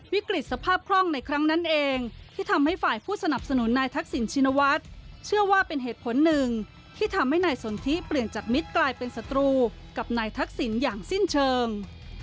วิกฤตสภาพคล่องในครั้งนั้นเองที่ทำให้ฝ่ายผู้สนับสนุนนายทักษิณชินวัฒน์เชื่อว่าเป็นเหตุผลหนึ่งที่ทำให้นายสนทิเปลี่ยนจากมิตรกลายเป็นศัตรูกับนายทักษิณอย่างสิ้นเชิง